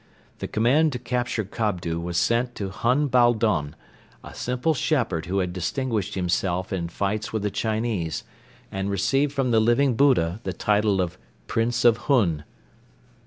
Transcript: The command to capture Kobdo was sent to Hun Baldon, a simple shepherd who had distinguished himself in fights with the Chinese and received from the Living Buddha the title of Prince of Hun.